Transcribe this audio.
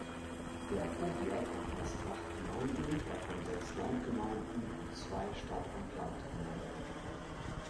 Der Powiat umfasst acht Gemeinden, davon sechs Landgemeinden und zwei Stadt-und-Land-Gemeinden.